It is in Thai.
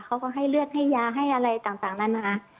เขาก็ให้เลือดให้ยาให้อะไรต่างนั้นนะคะ